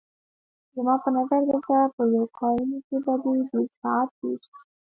زما په نظر دلته په لوکارنو کې به دې ډېر ساعت تېر شي.